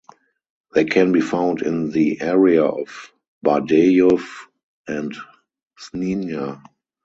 They can be found in the area of Bardejov and Snina.